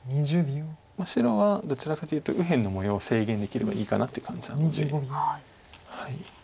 白はどちらかというと右辺の模様を制限できればいいかなっていう感じなので。